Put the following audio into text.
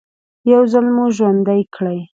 يو ځل مو ژوندي کړي.